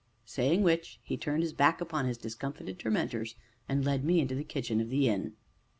Saying which, he turned his back upon his discomfited tormentors, and led me into the kitchen of the inn.